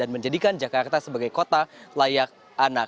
dan menjadikan jakarta sebagai kota layak anak